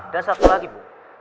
dan satu lagi bung